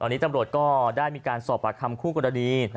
ตอนนี้ตับรวจก็ได้มีการสอบปรากฏคุ้งกรณี